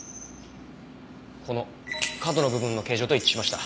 この角の部分の形状と一致しました。